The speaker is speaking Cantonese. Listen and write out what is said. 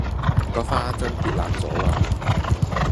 嗰花樽跌爛咗啦